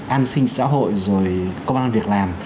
an sinh xã hội công an việc làm